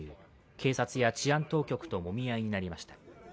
警察や治安当局ともみ合いになりました。